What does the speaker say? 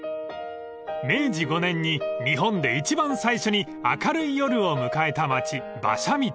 ［明治５年に日本で一番最初に明るい夜を迎えた町馬車道］